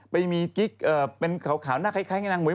ไปมีกริ๊กเป็นขาวหน้าใคร้แค่นางเม้ย